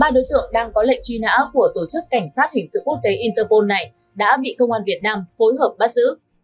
ba đối tượng đang có lệnh truy nã của tổ chức cảnh sát hình sự quốc tế interpol này đã bị công an việt nam phối hợp bắt giữ